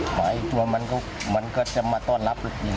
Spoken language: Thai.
หมาอีกตัวมันก็จะมาต้อนรับลูกนี้เลย